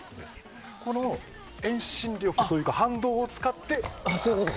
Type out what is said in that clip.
この遠心力というか反動を使って進むと。